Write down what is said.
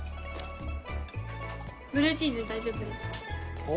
ブルーチーズ大丈夫ですか？